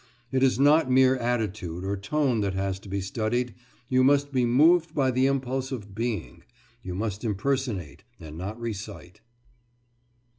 It is not mere attitude or tone that has to be studied; you must be moved by the impulse of being; you must impersonate and not recite.